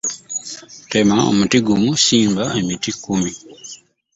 Tema omuti gumu simba emiti kkumi.